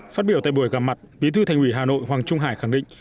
phát biểu tại buổi gặp mặt bí thư thành ủy hà nội hoàng trung hải khẳng định